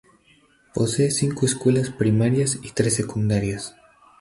Posee cinco escuelas primarias y tres secundarias.